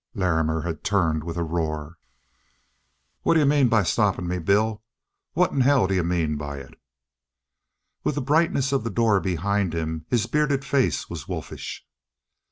Larrimer had turned with a roar. "What d'you mean by stopping me, Bill? What in hell d'you mean by it?" With the brightness of the door behind him, his bearded face was wolfish.